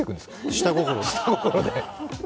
下心です。